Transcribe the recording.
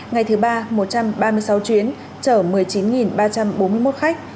ngày thứ ba một trăm ba mươi sáu chuyến chở một mươi chín ba trăm bốn mươi một khách